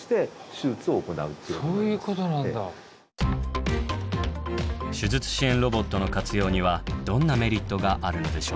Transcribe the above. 手術支援ロボットの活用にはどんなメリットがあるのでしょうか。